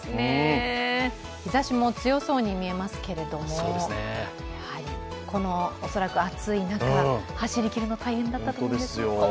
日ざしも強そうに見えますけれども恐らく暑い中、走りきるの、大変だったと思います。